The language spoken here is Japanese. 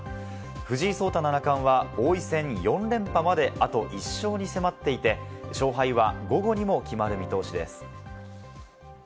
藤井聡太七冠は、王位戦４連覇まで、あと１勝に迫っていて、勝敗は午後にも決まる見通しです。